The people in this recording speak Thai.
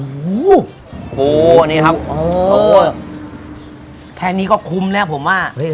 โอ้โหโอ้นี่ครับโอ้แค่นี้ก็คุ้มแล้วผมว่าเฮ้ยเฮ้ย